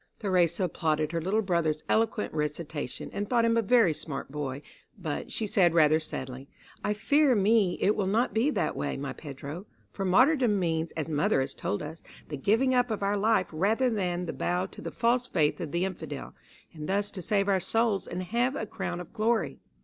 '" Theresa applauded her little brother's eloquent recitation, and thought him a very smart boy; but she said rather sadly: "I fear me it will not be that way, my Pedro; for martyrdom means, as mother has told us, the giving up of our life rather than bow to the false faith of the Infidel, and thus to save our souls and have a crown of glory."